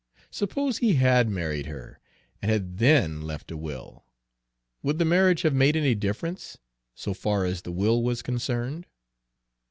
Suppose he had married her, and had then left a will, would the marriage have made any difference, so far as the will was concerned?"